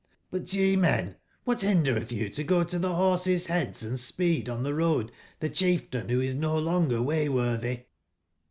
But yemen, wbat binderetb you to go to tbe borses' beads & speed on tbe road tbe cb ief tain wbo is n o Ion ger way/wortby